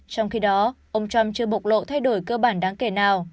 trong khi đó ông trump chưa bộc lộ thay đổi cơ bản đáng kể nào